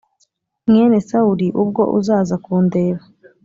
mwene Sawuli ubwo uzaza kundeba.